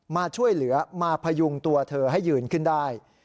มาช่วยเหลือมาพยุงตัวเธอให้ยืนขึ้นได้